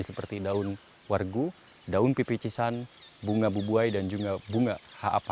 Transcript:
seperti daun wargu daun pipi cisan bunga bubuai dan juga bunga haap